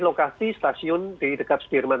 lokasi stasiun di dekat sudirman